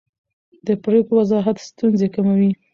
د پرېکړو وضاحت ستونزې کموي